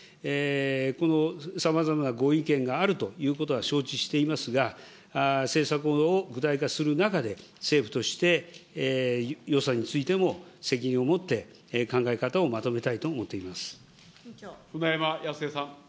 このさまざまなご意見があるということは承知していますが、政策を具体化する中で、政府として予算についても責任を持って考え方をまとめたいと思っ舟山康江さん。